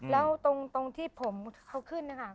แล้วตรงที่ผมเขาขึ้นนะคะ